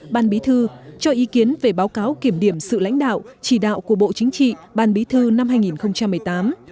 ban bí thư cho ý kiến về báo cáo kiểm điểm sự lãnh đạo chỉ đạo của bộ chính trị ban bí thư năm hai nghìn một mươi tám